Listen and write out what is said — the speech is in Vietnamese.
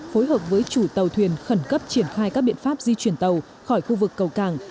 phối hợp với chủ tàu thuyền khẩn cấp triển khai các biện pháp di chuyển tàu khỏi khu vực cầu cảng